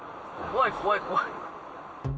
怖い、怖い、怖い。